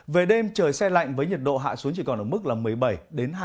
về đêm trời xe lạnh với nhiệt độ hạ xuống chỉ còn ở mức là một mươi bảy đến hai mươi một độ